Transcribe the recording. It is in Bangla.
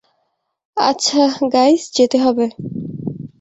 আচ্ছা, গাইজ, যেতে হবে।